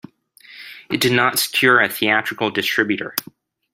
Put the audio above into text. It did not secure a theatrical distributor.